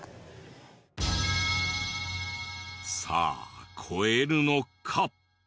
さあ超えるのか？